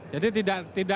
jadi tidak ada